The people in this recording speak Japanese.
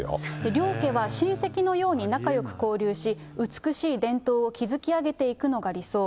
両家は親戚のように仲よく交流し、美しい伝統を築き上げていくのが理想。